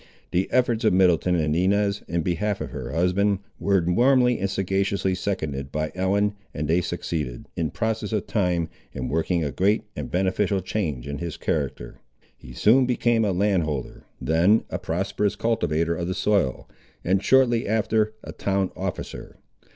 The efforts of Middleton and Inez, in behalf of her husband, were warmly and sagaciously seconded by Ellen, and they succeeded, in process of time, in working a great and beneficial change in his character. He soon became a land holder, then a prosperous cultivator of the soil, and shortly after a town officer.